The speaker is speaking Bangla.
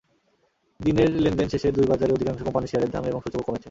দিনের লেনদেন শেষে দুই বাজারেই অধিকাংশ কোম্পানির শেয়ারের দাম এবং সূচকও কমেছে।